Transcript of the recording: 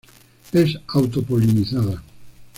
Es auto-polinizada.